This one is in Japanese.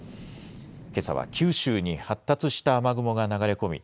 けさは九州に発達した雨雲が流れ込み